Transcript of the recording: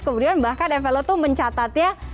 kemudian bahkan evelo itu mencatatnya